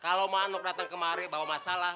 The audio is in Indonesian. kalau manuk datang kemari bawa masalah